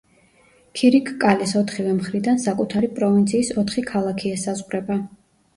ქირიქკალეს ოთხივე მხრიდან საკუთარი პროვინციის ოთხი ქალაქი ესაზღვრება.